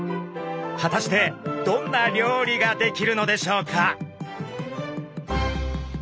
果たしてどんな料理が出来るのでしょうか？